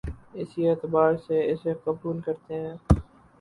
اسی اعتبار سے اسے قبول کرتے ہیں